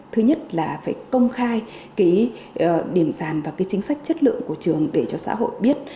thứ nhất là phải công khai cái điểm sàn và cái chính sách chất lượng của trường để cho xã hội biết